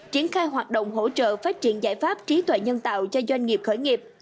triển khai hoạt động hỗ trợ phát triển giải pháp trí tuệ nhân tạo cho doanh nghiệp khởi nghiệp